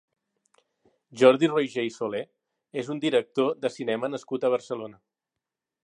Jordi Roigé i Solé és un director de cinema nascut a Barcelona.